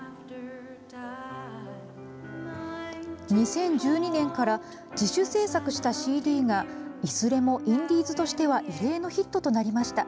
２０１２年から自主制作したＣＤがいずれも、インディーズとしては異例のヒットとなりました。